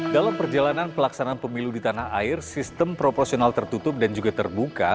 dalam perjalanan pelaksanaan pemilu di tanah air sistem proporsional tertutup dan juga terbuka